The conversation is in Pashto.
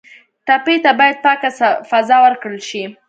ټپي ته باید پاکه فضا ورکړل شي.